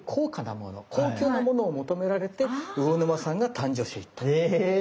高級なものを求められて魚沼産が誕生していった。